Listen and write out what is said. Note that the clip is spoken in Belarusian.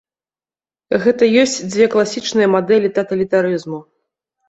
Гэта ёсць дзве класічныя мадэлі таталітарызму.